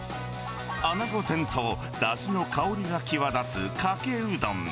穴子天とだしの香りが際立つかけうどん。